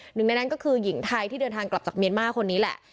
หนึ่งในนั้นก็คือหญิงไทยที่เดินทางกลับจากเมียนมาร์คนนี้แหละ